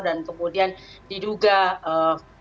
dan kemudian dia dianggap bersalah dan layak ditersangkakan